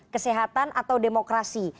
kesehatan atau demokrasi